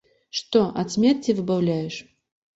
Што ад смерці выбаўляеш?